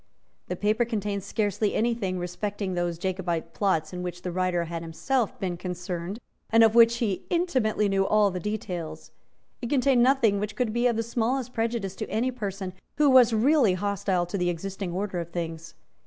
The paper contained scarcely any thing respecting those Jacobite plots in which the writer had been himself concerned, and of which he intimately knew all the details. It contained nothing which could be of the smallest prejudice to any person who was really hostile to the existing order of things.